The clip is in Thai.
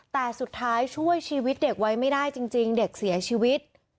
แต่สุดท้ายช่วยชีวิตเด็กไว้ไม่ได้จริงเด็กเสียชีวิต